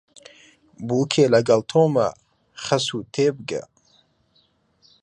بووکێ لەگەڵ تۆمە خەسوو تێبگە